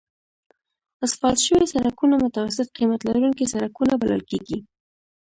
اسفالت شوي سړکونه متوسط قیمت لرونکي سړکونه بلل کیږي